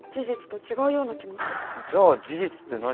じゃあ事実って何？